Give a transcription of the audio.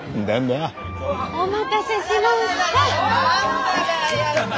お待たせしました。